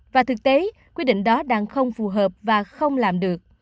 và thực tế quy định đó đang không phù hợp và không làm được